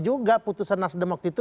juga putusan nasdem waktu itu